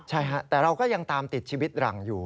ใช่ฮะแต่เราก็ยังตามติดชีวิตหลังอยู่